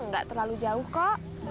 gak terlalu jauh kok